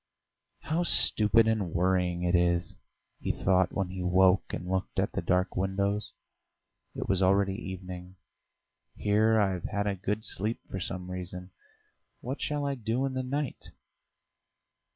"How stupid and worrying it is!" he thought when he woke and looked at the dark windows: it was already evening. "Here I've had a good sleep for some reason. What shall I do in the night?"